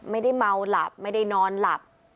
ไม่ได้เมาหลับไม่ได้นอนหลับ